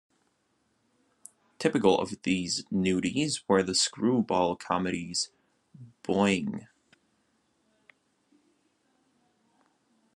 Typical of these nudies were the screwball comedies Boin-n-g!